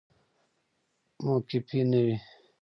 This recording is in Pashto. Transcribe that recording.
مقفي نه وي